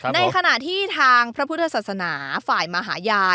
ในขณะที่ทางพระพุทธศาสนาฝ่ายมหาญา